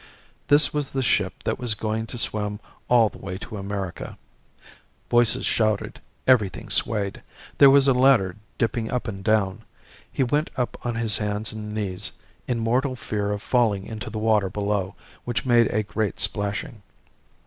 This was the ship that was going to swim all the way to America. Voices shouted, everything swayed; there was a ladder dipping up and down. He went up on his hands and knees in mortal fear of falling into the water below, which made a great splashing.